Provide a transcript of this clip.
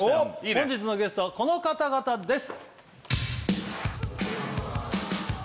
本日のゲストはこの方々です